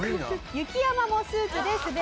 雪山もスーツで滑らされ。